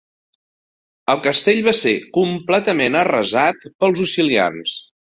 El castell va ser completament arrasat pels Osilians.